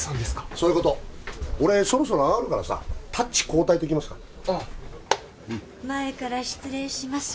そういうこと俺そろそろ上がるからさタッチ交代といきますかああ前から失礼します